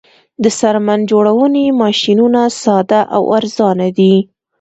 د څرمن جوړونې ماشینونه ساده او ارزانه دي